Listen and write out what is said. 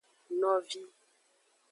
Novi.